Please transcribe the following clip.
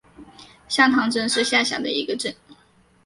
向塘镇是下辖的一个镇。